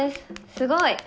すごい！